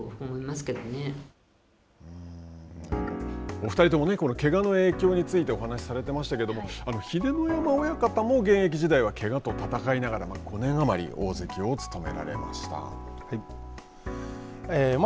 お２人とも、けがの影響についてお話しされていましたけれども、秀ノ山親方も現役時代はけがと戦いながら、５年余り、大関を務められました。